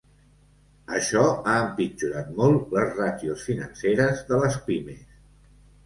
Això ha empitjorat molt les ràtios financeres de les pimes.